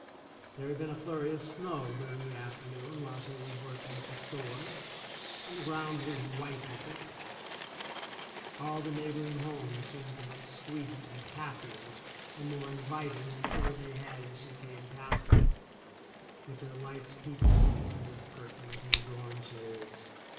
There had been a flurry of snow during the afternoon while she was working at the store, and the ground was white with it. All the neighboring homes seemed to look sweeter and happier and more inviting than ever they had as she came past them, with their lights peeping from under curtains and drawn shades.